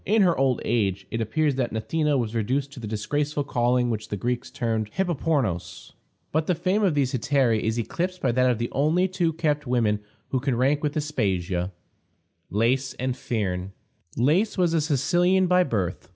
In her old age it appears that Gnathena was reduced to the disgraceful calling which the Greeks termed hippopornos. But the fame of these hetairæ is eclipsed by that of the only two kept women who can rank with Aspasia Lais and Phryne. Lais was a Sicilian by birth.